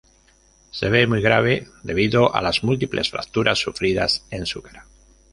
Se ve muy grave debido a las múltiples fracturas sufridas en su cara.